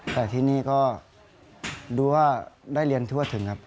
แต่ที่นี่ก็ดูว่าได้เรียนทั่วถึงครับ